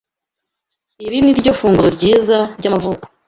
Iri niryo funguro ryiza ryamavuko.